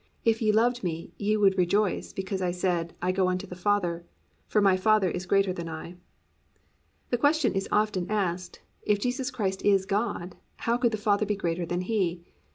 If ye loved me ye would rejoice, because I said, I go unto the Father: For my Father is greater than I."+ The question is often asked, "If Jesus Christ is God, how could the Father be greater than He?"